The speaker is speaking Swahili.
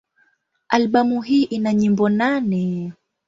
Albamu hii ina nyimbo nane.